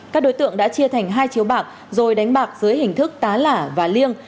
các đối tượng đã chia thành hai chiếu bạc rồi đánh bạc dưới hình thức tá lả và liêng